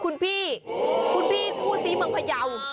คุณพี่คู่ซีเบิร์งพะเยา